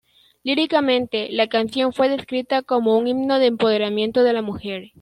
Líricamente, la canción fue descrita como un himno de empoderamiento de la mujer.